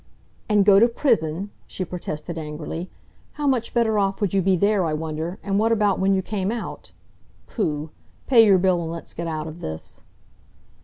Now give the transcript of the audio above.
"And go to prison!" she protested angrily. "How much better off would you be there, I wonder, and what about when you came out? Pooh! Pay your bill and let's get out of this."